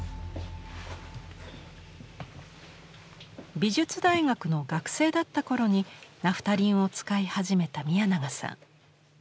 美術大学の学生だったころにナフタリンを使い始めた宮永さん。